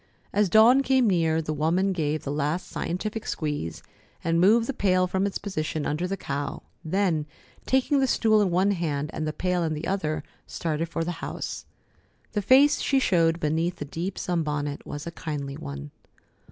As Dawn came near, the woman gave the last scientific squeeze, and moved the pail from its position under the cow, then, taking the stool in one hand and the pail in the other, started for the house. The face she showed beneath the deep sunbonnet was a kindly one.